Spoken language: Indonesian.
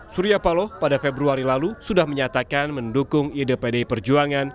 surya paloh pada februari lalu sudah menyatakan mendukung ide pdi perjuangan